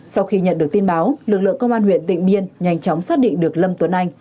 sau khi nhận được tin báo lực lượng công an huyện tịnh biên nhanh chóng xác định được lâm tuấn anh